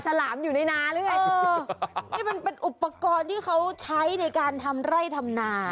ตัวนี้แหละลักษณะสามเหลี่ยม